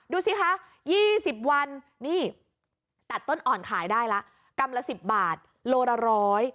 ดูสิคะยี่สิบวันนี่ตัดต้นอ่อนขายได้ละกรัมละ๑๐บาทโลละร้อย